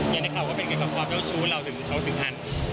อย่างนี้ครับก็เป็นเรื่องของความเจ้าชู้เราถึงเขาถึงอัน